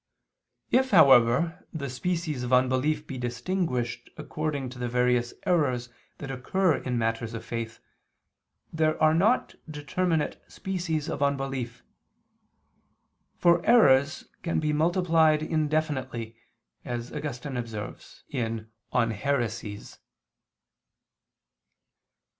If, however, the species of unbelief be distinguished according to the various errors that occur in matters of faith, there are not determinate species of unbelief: for errors can be multiplied indefinitely, as Augustine observes (De Haeresibus).